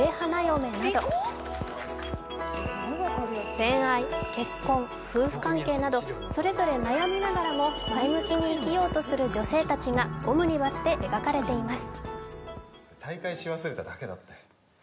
恋愛、結婚、夫婦関係などそれぞれ悩みながらも前向きに生きようとする女性たちがオムニバスで描かれています。